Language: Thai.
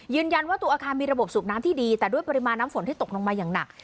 ยืนยันว่าตัวอาคารมีระบบสูบน้ำที่ดีแต่ด้วยปริมาณน้ำฝนที่ตกลงมาอย่างหนัก